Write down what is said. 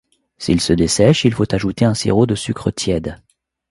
S'il se dessèche, il faut ajouter un sirop de sucre tiède.